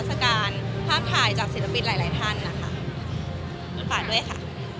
มาเดินดูกล้องดูภาพถ่ายอะไรอย่างเงี้ยค่ะ